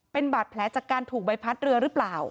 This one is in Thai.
เป็นบาดแผลจากการถูกใบพัดเรือหรือเปล่า